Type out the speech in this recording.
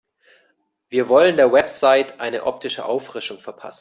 Wir wollen der Website eine optische Auffrischung verpassen.